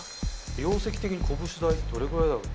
容積的にこぶし大ってどれぐらいだろう？